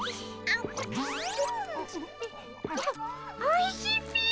おいしいっピィ。